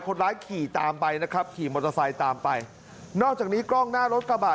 คนร้ายขี่ตามไปนะครับขี่มอเตอร์ไซค์ตามไปนอกจากนี้กล้องหน้ารถกระบะ